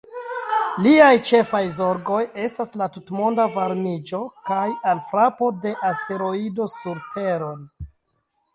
Liaj ĉefaj zorgoj estas la tutmonda varmiĝo kaj alfrapo de asteroido sur Teron.